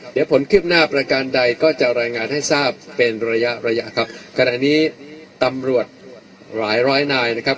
เดี๋ยวผลคืบหน้าประการใดก็จะรายงานให้ทราบเป็นระยะระยะครับขณะนี้ตำรวจหลายร้อยนายนะครับ